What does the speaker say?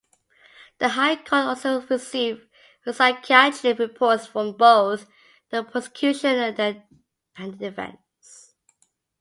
The High Court also received psychiatric reports from both the prosecution and the defence.